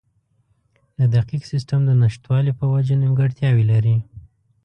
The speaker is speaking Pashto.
د دقیق سیستم د نشتوالي په وجه نیمګړتیاوې لري.